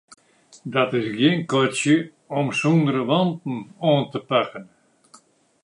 Dat is gjin katsje om sûnder wanten oan te pakken.